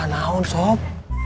tidak ada naon sob